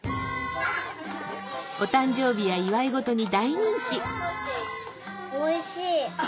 お誕生日や祝い事に大人気おいしい。